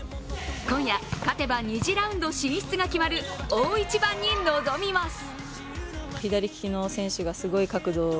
今夜、勝てば２次ラウンド進出が決まる大一番に臨みます。